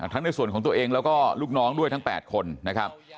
ในส่วนของตัวเองแล้วก็ลูกน้องด้วยทั้ง๘คนนะครับ